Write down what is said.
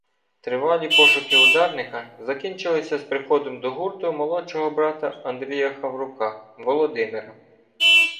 Тривалі пошуки ударника закінчилися з приходом до гурту молодшого брата Андрія Хаврука — Володимира